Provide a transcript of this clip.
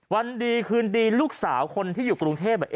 วันดีคืนดีลูกสาวคนที่อยู่กรุงเทพ